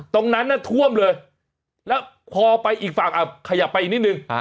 ตรงนั้นน่ะท่วมเลยแล้วพอไปอีกฝั่งขยับไปอีกนิดนึง